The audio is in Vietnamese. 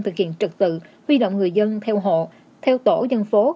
thực hiện trực tự huy động người dân theo hộ theo tổ dân phố